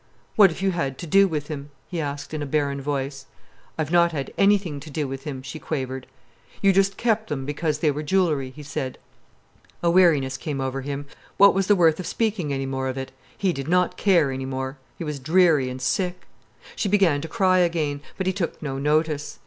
"What have you had to do with him?" he asked, in a barren voice. "I've not had anything to do with him," she quavered. "You just kept 'em because they were jewellery?" he said. A weariness came over him. What was the worth of speaking any more of it? He did not care any more. He was dreary and sick. She began to cry again, but he took no notice.